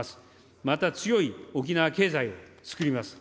また、強い沖縄経済を作ります。